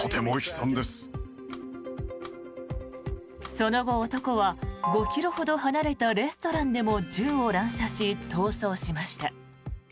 その後、男は５ｋｍほど離れたレストランでも銃を乱射し、逃走しました。